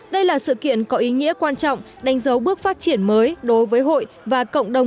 đây là sự kiện có ý nghĩa quan trọng đánh dấu bước phát triển mới đối với hội và cộng đồng